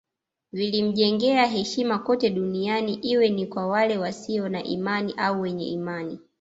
Vilimjengea heshima kote duniani iwe ni kwa wale wasio na imani au wenye imani